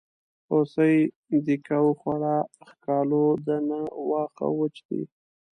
هوسۍ دیکه وخوړه ښکالو ده نه واښه وچ دي.